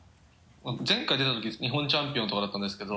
前回出た時日本チャンピオンとかだったんですけど。